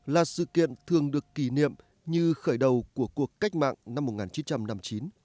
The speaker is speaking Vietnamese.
là sự kiện thường được kỷ niệm như khởi đầu của cuộc cách mạng năm một nghìn chín trăm năm mươi chín